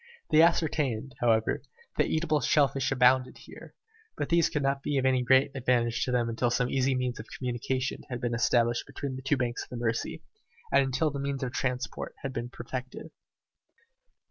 They ascertained, however, that eatable shell fish abounded there, but these could not be of any great advantage to them until some easy means of communication had been established between the two banks of the Mercy, and until the means of transport had been perfected.